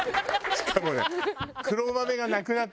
しかもね。